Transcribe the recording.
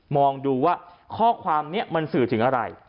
มองดูว่าข้อความนี้มันสื่อถึงอะไร